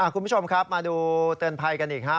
คุณผู้ชมครับมาดูเตือนภัยกันอีกครับ